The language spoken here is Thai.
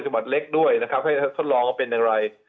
จังหวัดเล็กด้วยนะครับให้ทดลองว่าเป็นอย่างไร